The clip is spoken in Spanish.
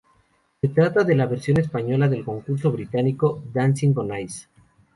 Se trata de la versión española del concurso británico "Dancing on ice".